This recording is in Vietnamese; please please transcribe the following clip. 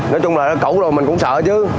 nói chung là cẩu rồi mình cũng sợ chứ